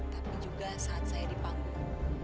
tapi juga saat saya di panggung